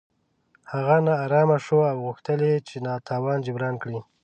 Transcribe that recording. هغه نا ارامه شو او غوښتل یې چې تاوان جبران کړي.